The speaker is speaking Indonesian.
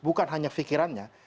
bukan hanya pikirannya